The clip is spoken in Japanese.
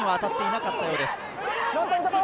手には当たっていなかったようです。